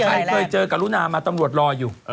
คล้ายเคยเจอกับลูนามาตำรวจรออยู่